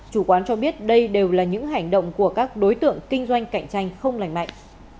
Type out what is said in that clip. chủ quán cho biết đây đều là những hành động của các đối tượng kinh doanh cạnh tranh không lành mạnh